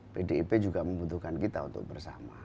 pdip juga membutuhkan kita untuk bersama